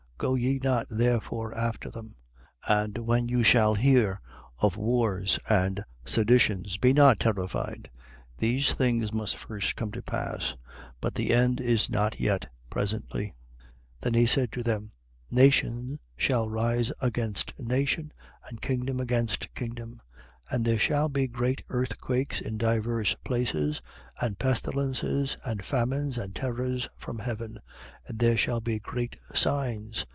Go ye not therefore after them. 21:9. And when you shall hear of wars and seditions, be not terrified. These things must first come to pass: but the end is not yet presently. 21:10. Then he said to them: Nation shall rise against nation, and kingdom against kingdom. 21:11. And there shall be great earthquakes in divers places and pestilences and famines and terrors from heaven: and there shall be great signs.